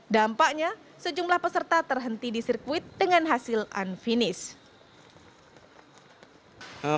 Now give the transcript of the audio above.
dampaknya sejumlah peserta terhenti di sirkuit dengan hasil unfinish